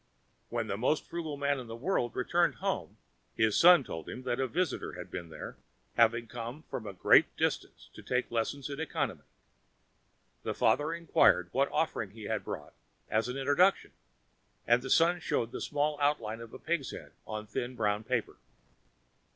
When the most frugal man in the world returned home, his son told him that a visitor had been there, having come from a great distance to take lessons in economy. The father inquired what offering he brought as an introduction, and the son showed the small outline of the pig's head on thin brown paper.